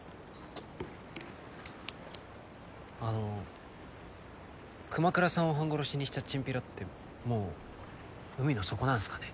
あの熊倉さんを半殺しにしたチンピラってもう海の底なんすかね？